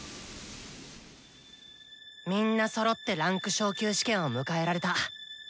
みんなそろって位階昇級試験を迎えられた。